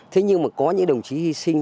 thế nhưng mà có những đồng chí hy sinh